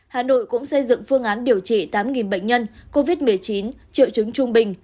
hà nội cũng xây dựng phương án điều trị tám bệnh nhân covid một mươi chín triệu chứng trung bình